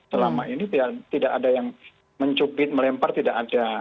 selama ini biar tidak ada yang mencubit melempar tidak ada